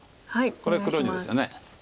これ黒地ですよね。